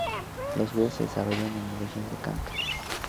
Los juegos se desarrollan en la región de Kanto.